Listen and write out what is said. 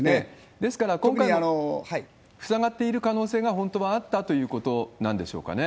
ですから、今回、塞がっている可能性が本当はあったということなんでしょうかね？